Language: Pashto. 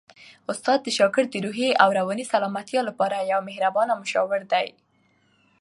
استاد د شاګرد د روحي او رواني سلامتیا لپاره یو مهربان مشاور دی.